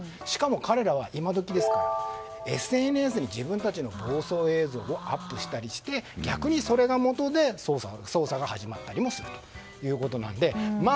しかも彼らは今どきですからＳＮＳに自分たちの暴走映像をアップしたりして逆に、それがもとで捜査が始まったりしているということなので。